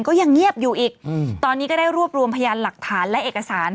ก็ยังเงียบอยู่อีกตอนนี้ก็ได้รวบรวมพยานหลักฐานและเอกสาร